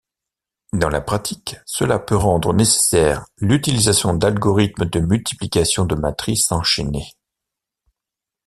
Dans la pratique, cela peut rendre nécessaire l'utilisation d'algorithmes de multiplication de matrices enchaînées.